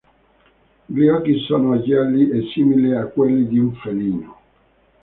Gli occhi sono gialli e simili a quelli di un felino.